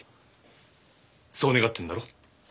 そう願ってんだろ。